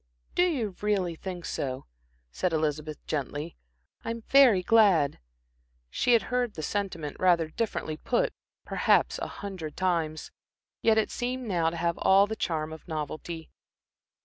"Do you really think so?" said Elizabeth, gently. "I'm very glad." She had heard the sentiment, rather differently put, perhaps a hundred times. Yet it seemed now to have all the charm of novelty.